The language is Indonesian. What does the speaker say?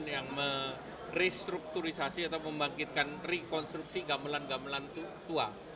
yang merestrukturisasi atau membangkitkan rekonstruksi gamelan gamelan tua